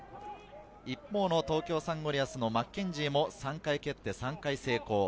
一方の東京サンゴリアスのマッケンジーも３回蹴って３回成功。